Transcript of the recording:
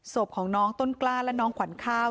ศพของน้องต้นกล้าและน้องขวัญข้าว